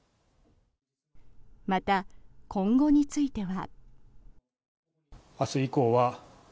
また、今後については。